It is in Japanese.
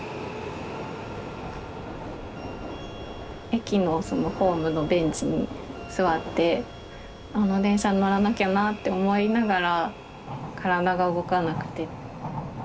駅のそのホームのベンチに座ってこの電車に乗らなきゃなって思いながら体が動かなくて。